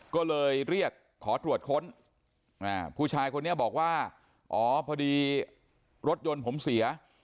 ก็เลยเรียกขอตรวจค้นผู้ชายคนนี้บอกว่าอ๋อพอดีรถยนต์ผมเสีย